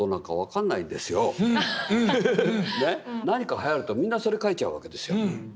何かはやるとみんなそれ描いちゃうわけですよ。